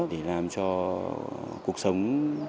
để làm cho cuộc sống